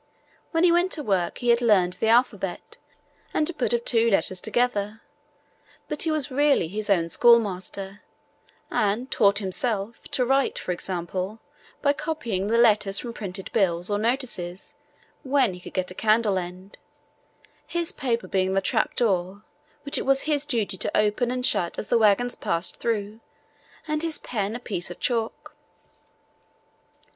When he went to work he had learned the alphabet and to put words of two letters together, but he was really his own schoolmaster, and 'taught himself to write, for example, by copying the letters from printed bills or notices, when he could get a candle end, his paper being the trapdoor, which it was his duty to open and shut as the wagons passed through, and his pen a piece of chalk.'